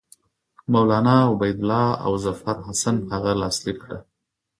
مولنا عبیدالله او ظفرحسن هغه لاسلیک کړه.